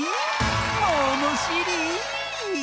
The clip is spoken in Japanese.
ものしり！